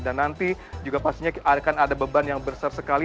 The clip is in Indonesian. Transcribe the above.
dan nanti juga pastinya akan ada beban yang besar sekali